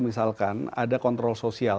misalkan ada kontrol sosial